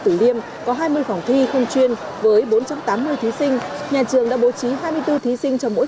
tử liêm có hai mươi phòng thi không chuyên với bốn trăm tám mươi thí sinh nhà trường đã bố trí hai mươi bốn thí sinh cho mỗi